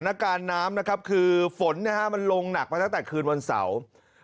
น้ำการน้ำนะครับคือฝนมันลงหนักมาตั้งแต่คืนวันเสาร์